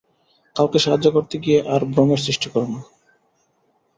কাউকে সাহায্য করতে গিয়ে আর ভ্রমের সৃষ্টি কর না।